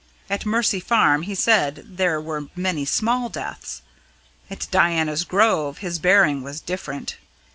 At Mercy Farm he said there were many small deaths. At Diana's Grove his bearing was different.